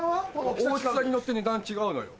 大きさによって値段違うのよ。